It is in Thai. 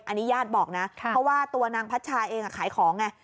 อันนี้ญาติบอกนะเพราะว่าตัวนางพัชชาเองขายของไง